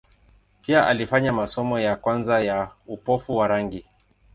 Pia alifanya masomo ya kwanza ya upofu wa rangi.